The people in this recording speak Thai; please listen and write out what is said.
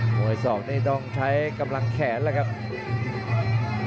ยศอกนี่ต้องใช้กำลังแขนแล้วครับ